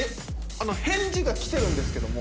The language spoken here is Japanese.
あの返事が来てるんですけども。